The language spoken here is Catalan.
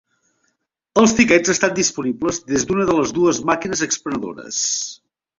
Els tiquets estan disponibles des d'una de les dues màquines expenedores.